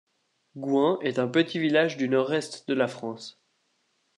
Goin est un petit village du Nord-Est de la France.